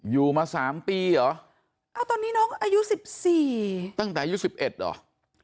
อยู่มาสามปีเหรอเอาตอนนี้น้องอายุ๑๔ตั้งแต่อายุ๑๑เหรอ